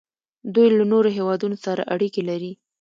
دوی له نورو هیوادونو سره اړیکې لري.